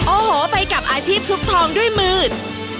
โอ้โหไปกับอาชีพชุบทองด้วยมือ